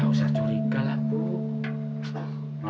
gak usah curiga lah bu